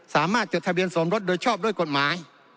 จดทะเบียนสมรสโดยชอบด้วยกฎหมาย